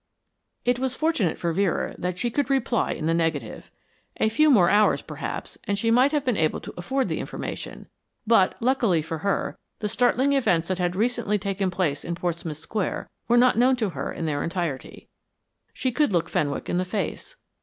It was fortunate for Vera that she could reply in the negative. A few more hours, perhaps, and she might have been able to afford the information; but, luckily for her, the startling events that had recently taken place in Portsmouth Square were not known to her in their entirety. She could look Fenwick in the face.